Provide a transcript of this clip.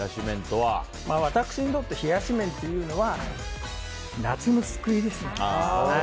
私にとって冷やし麺というのは夏の救いですね。